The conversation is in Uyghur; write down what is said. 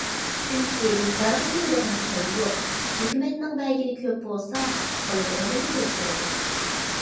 چۈنكى بىكارغا كېلىدىغان پايدا يوق، ھۆكۈمەتنىڭ بەرگىنى كۆپ بولسا، ئالىدىغىنىمۇ كۆپ بولىدۇ.